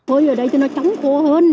phơi ở đây thì nó chóng cô hơn